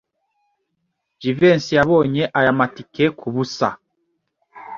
Jivency yabonye aya matike kubusa.